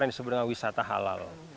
yang disebut dengan wisata halal